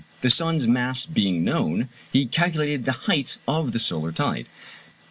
The sun's mass being known, he calculated the height of the solar tide. No.